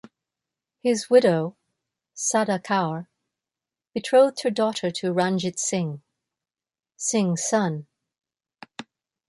His widow, Sada Kaur betrothed her daughter to Ranjit Singh, Singh's Son.